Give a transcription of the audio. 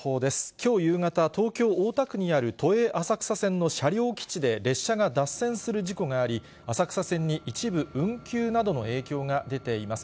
きょう夕方、東京・大田区にある都営浅草線の車両基地で列車が脱線する事故があり、浅草線に一部運休などの影響が出ています。